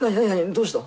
どうした？